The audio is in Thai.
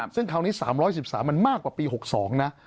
ซึ่งคราวนี้๓๑๓มันมากกว่าปี๖๒นะ